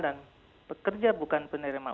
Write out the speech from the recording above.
dan pekerja bukan penerima